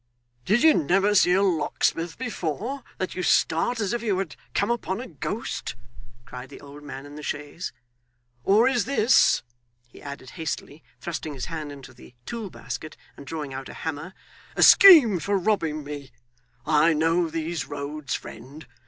'Did you never see a locksmith before, that you start as if you had come upon a ghost?' cried the old man in the chaise, 'or is this,' he added hastily, thrusting his hand into the tool basket and drawing out a hammer, 'a scheme for robbing me? I know these roads, friend.